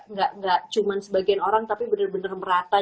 nggak cuma sebagian orang tapi bener bener merata